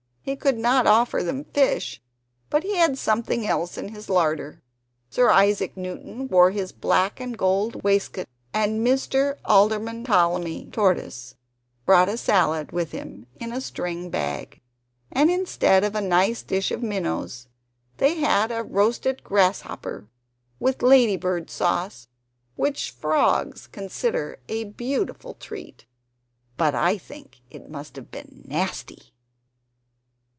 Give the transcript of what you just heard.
He could not offer them fish, but he had something else in his larder. Sir Isaac Newton wore his black and gold waistcoat. And Mr. Alderman Ptolemy Tortoise brought a salad with him in a string bag. And instead of a nice dish of minnows, they had a roasted grasshopper with lady bird sauce, which frogs consider a beautiful treat; but I think it must have been nasty!